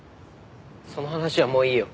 その話はもういいよ。